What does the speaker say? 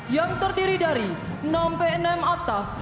yang terdiri dari enam bnm attaf